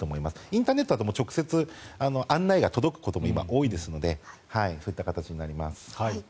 インターネットだと直接、案内が届くことも今多いですのでそういった形になります。